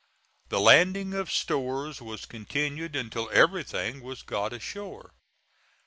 The landing of stores was continued until everything was got ashore.